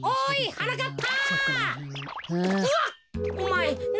はなかっぱ。